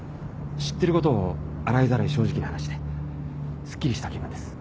知ってることを洗いざらい正直に話してすっきりした気分です。